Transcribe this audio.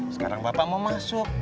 sekarang bapak mau masuk